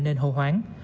nên hồ hoáng